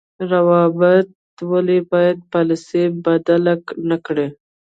روابط ولې باید پالیسي بدله نکړي؟